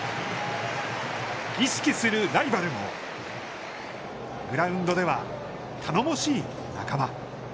意識するライバルもグラウンドでは頼もしい仲間。